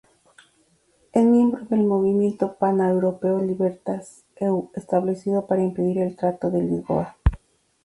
Es miembro del movimiento paneuropeo Libertas.eu, establecido para impedir el Tratado de Lisboa.